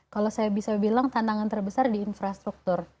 kalau saya bisa bilang tantangan terbesar di infrastruktur